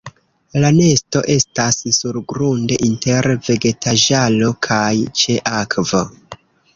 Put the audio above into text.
La nesto estas surgrunde inter vegetaĵaro kaj ĉe akvo.